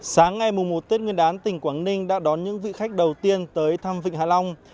sáng ngày một tết nguyên đán tỉnh quảng ninh đã đón những vị khách đầu tiên tới thăm vịnh hạ long